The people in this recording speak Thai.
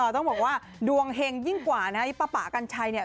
ต้องบอกว่าดวงเห็นยิ่งกว่าปลากันชัย